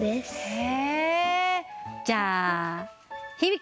へえ。